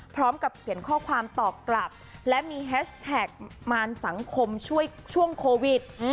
พร้อมกับเขียนข้อความตอบกลับและมีแฮชแท็กมารสังคมช่วยช่วงโควิด